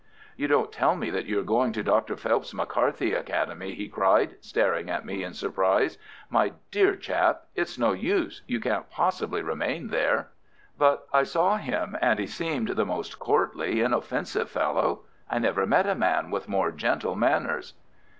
"You don't tell me that you are going to Dr. Phelps McCarthy's Academy?" he cried, staring at me in surprise. "My dear chap, it's no use. You can't possibly remain there." "But I saw him, and he seemed the most courtly, inoffensive fellow. I never met a man with more gentle manners."